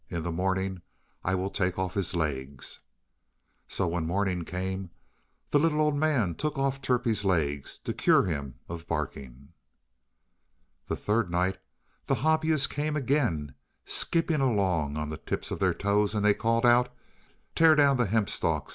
In the morning I will take off his legs." So when morning came, the little old man took off Turpie's legs to cure him of barking. The third night the Hobyahs came again, skipping along on the tips of their toes, and they called out: "Tear down the hemp stalks.